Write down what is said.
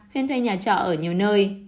huyên thuê nhà trọ ở nhiều nơi